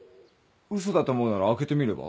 嘘だと思うなら開けてみれば？